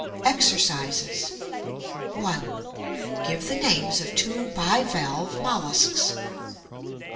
EXERCISES 1. Give the names of two bi valve molluscs.